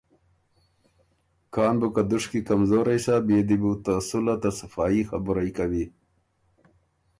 کان بُو که دُشکی کمزورئ سَۀ بيې دی بو ته صلحه ته صفايي خبُرئ کوی۔